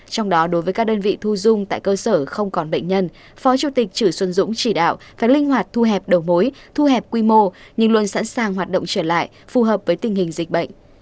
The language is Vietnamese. trong đó đối với các đơn vị thu dung tại cơ sở không còn bệnh nhân phó chủ tịch chửi xuân dũng chỉ đạo phải linh hoạt thu hẹp đầu mối thu hẹp quy mô nhưng luôn sẵn sàng hoạt động trở lại phù hợp với tình hình dịch bệnh